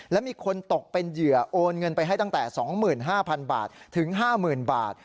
และมีคนตกเป็นเหยื่อโอนเงินไปให้ตั้งแต่๒๕๐๐๐บาทถึง๕๐๐๐บาท